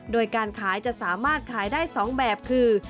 โดยการขายจะสามารถขายได้๒แบบคือ